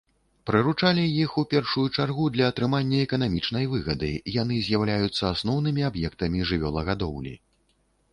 Прыручалі іх у першую чаргу для атрымання эканамічнай выгады, яны з'яўляюцца асноўнымі аб'ектамі жывёлагадоўлі.